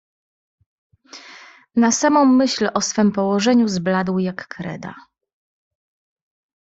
"Na samą myśl o swem położeniu zbladł, jak kreda."